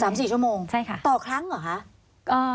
สามสี่ชั่วโมงต่อครั้งเหรอคะ